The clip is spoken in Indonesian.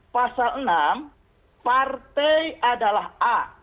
pasal enam partai adalah a